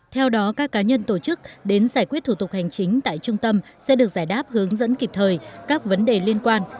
theo đó các cá nhân tổ chức đến giải quyết thủ tục hành chính tại trung tâm sẽ được giải đáp hướng dẫn kịp thời các vấn đề liên quan